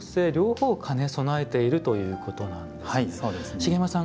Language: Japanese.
茂山さん